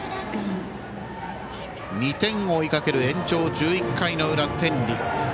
２点を追いかける延長１１回の裏の天理。